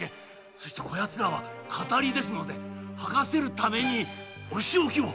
そしてこやつらは騙りですので吐かせるためにお仕置きを。